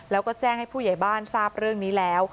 แล้วก็แจ้งให้ผู้ใหญ่บ้านทราบเรื่องนี้แล้ว